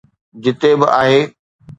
جتي به آهي